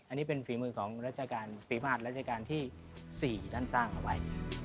อันนี้เป็นฝีมือของราชการปีมาตรรัชกาลที่๔ท่านสร้างเอาไว้